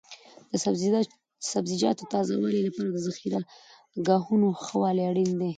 د سبزیجاتو تازه والي لپاره د ذخیره ګاهونو ښه والی اړین دی.